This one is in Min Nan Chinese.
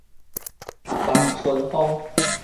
望春風